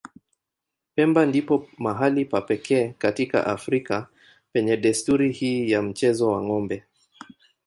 Pemba ndipo mahali pa pekee katika Afrika penye desturi hii ya mchezo wa ng'ombe.